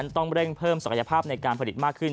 ต้องเร่งเพิ่มศักยภาพในการผลิตมากขึ้น